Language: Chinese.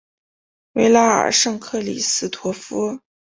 维拉尔圣克里斯托夫。